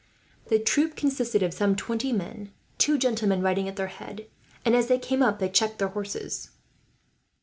The troop consisted of some twenty men, two gentlemen riding at their head; and as they came up, they checked their horses.